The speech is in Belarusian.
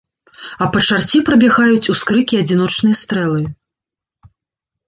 А па чарце прабягаюць ускрыкі і адзіночныя стрэлы.